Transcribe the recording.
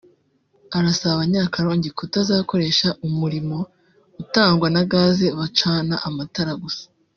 arasaba Abanya-Karongi kutazakoresha umurirmo utangwa na gaz bacana amatara gusa